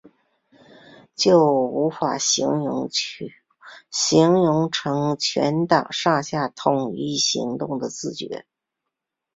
就无法形成全党上下统一行动的自觉